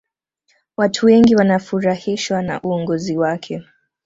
watu wengi wanafurahishwa na uongozi wake